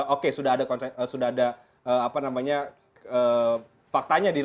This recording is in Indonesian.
oke sudah ada faktanya